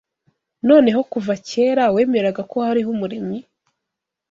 Noneho kuva kera wemeraga ko hariho Umuremyi?